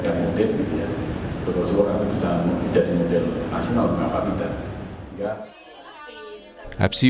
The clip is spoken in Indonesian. seorang seorang bisa menjadi model nasional dengan kapitan